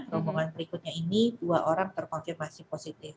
rombongan berikutnya ini dua orang terkonfirmasi positif